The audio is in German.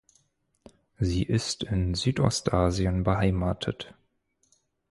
Sie ist in Südostasien beheimatet.